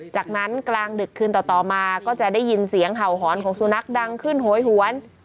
จากนั้นกลางดึกคืนต่อมาก็จะได้ยินเสียงเห่าหอนของสุนัขดังขึ้นโหยหวน